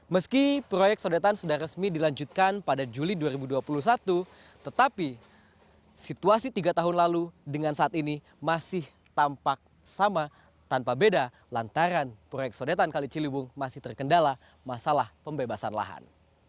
meski proyek sodetan sudah resmi dilanjutkan pada juli dua ribu dua puluh satu tetapi situasi tiga tahun lalu dengan saat ini masih tampak sama tanpa beda lantaran proyek sodetan kali ciliwung masih terkendala masalah pembebasan lahan